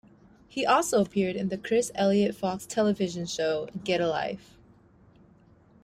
He also appeared in the Chris Elliot Fox television show "Get a Life".